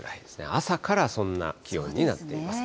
朝からそんな気温になっています。